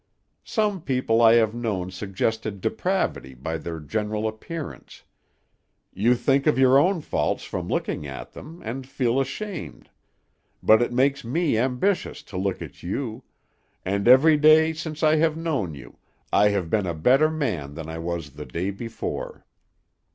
Some people I have known suggested depravity by their general appearance; you think of your own faults from looking at them, and feel ashamed; but it makes me ambitious to look at you, and every day since I have known you I have been a better man than I was the day before."